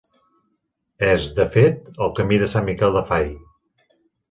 És, de fet, el Camí de Sant Miquel del Fai.